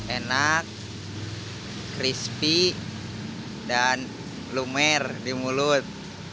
enak crispy dan lumer di mulut